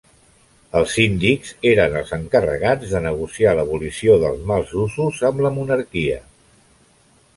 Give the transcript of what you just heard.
Els síndics eren els encarregats de negociar l'abolició dels mals usos amb la monarquia.